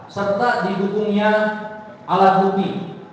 serta didukungnya alat hukum